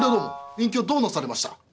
隠居どうなされました？」。